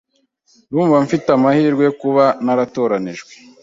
Ndumva mfite amahirwe kuba naratoranijwe.